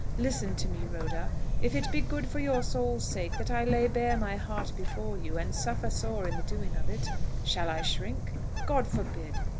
"Listen to me, Rhoda. If it be good for your soul's sake that I lay bare my heart before you, and suffer sore in the doing of it, shall I shrink? God forbid!